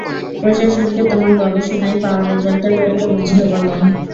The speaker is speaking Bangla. প্রশাসনকে তোমার গবেষণায় পাওয়া রেজাল্টের ব্যাপারে বুঝিয়ে বলো।